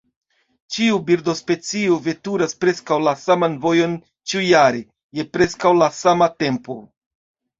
Ĉiu birdospecio veturas preskaŭ la saman vojon ĉiujare, je preskaŭ la sama tempo.